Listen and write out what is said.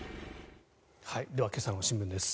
では、今朝の新聞です。